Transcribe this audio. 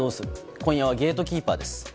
今夜はゲートキーパーです。